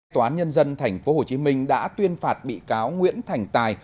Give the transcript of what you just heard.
tòa án nhân dân tp hcm đã tuyên phạt bị cáo nguyễn thành tài